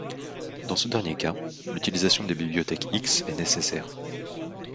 Dans ce dernier cas, l'utilisation des bibliothèques X est nécessaire.